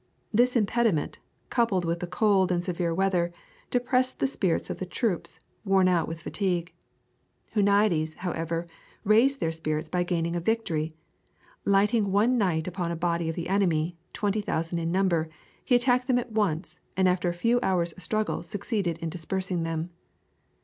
This impediment, coupled with the cold and severe weather, depressed the spirits of the troops, worn out with fatigue. Huniades, however, raised their spirits by gaining a victory; lighting one night upon a body of the enemy, 20,000 in number, he attacked them at once and after a few hours' struggle succeeded in dispersing them.